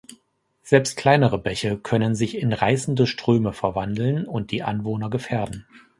Selbst kleinere Bäche können sich in reißende Ströme verwandeln und die Anwohner gefährden.